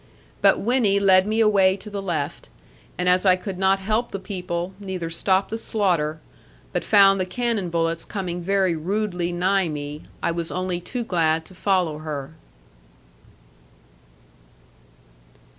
But Winnie led me away to the left; and as I could not help the people, neither stop the slaughter, but found the cannon bullets coming very rudely nigh me, I was only too glad to follow her.